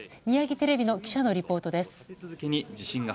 ミヤギテレビの記者のリポートです。